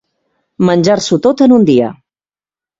Menjar-s'ho tot en un dia.